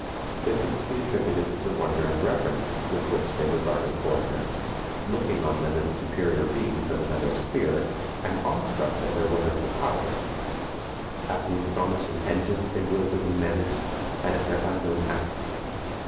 This is to be attributed to the wonder and reverence with which they regarded foreigners, looking on them as superior beings of another sphere, and awestruck at their wonderful powers, at the astonishing engines they wielded and managed, and at their unknown attributes.